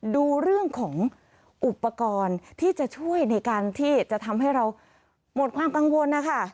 ดูเรื่องของอุปกรณ์ที่จะช่วยในการที่จะทำให้เราหมดความกังวลนะคะ